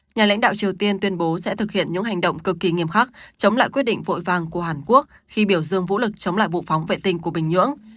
nhà lãnh đạo triều tiên tuyên bố sẽ thực hiện những hành động cực kỳ nghiêm khắc chống lại quyết định vội vàng của hàn quốc khi biểu dương vũ lực chống lại vụ phóng vệ tinh của bình nhưỡng